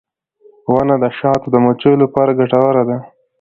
• ونه د شاتو د مچیو لپاره ګټوره ده.